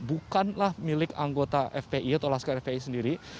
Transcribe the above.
bukanlah milik anggota fpi atau olah skar fpi sendiri